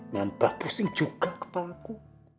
nambah pusing juga kepalaku